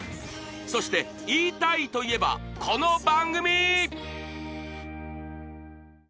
そして「言いたい」といえばこの番組！